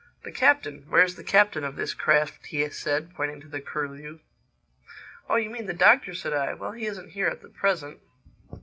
"The captain—Where's the captain of this craft?" he said, pointing to the Curlew. "Oh, you mean the Doctor," said I. "Well, he isn't here at present."